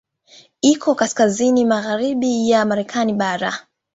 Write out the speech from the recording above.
Iko katika kaskazini magharibi ya Marekani bara.